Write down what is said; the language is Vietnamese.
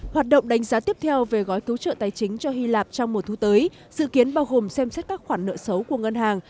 hoạt động đánh giá tiếp theo về gói cứu trợ tài chính cho hy lạp trong mùa thu tới dự kiến bao gồm xem xét các khoản nợ xấu của ngân hàng